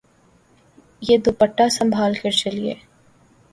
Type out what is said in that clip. یا دوپٹہ سنبھال کر چلئے